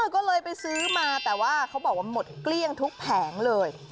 ก็เลยไปซื้อมาแต่ว่าเขาบอกว่าหมดเกลี้ยงทุกแผงเลย